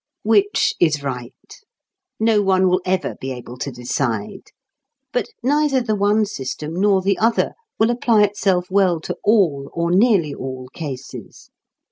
Which is right? No one will ever be able to decide. But neither the one system nor the other will apply itself well to all or nearly all cases.